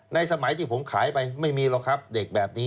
สมัยที่ผมขายไปไม่มีหรอกครับเด็กแบบนี้